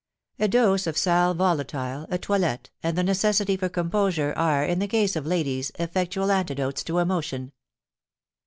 A dose of sal volatile, a toilette, and the necessity for composure, are, in the case of ladies, effectual antidotes to emotion.